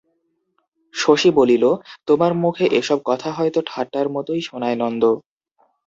শশী বলিল, তোমার মুখে এসব কথা হয়তো ঠাট্টার মতোই শোনায় নন্দ।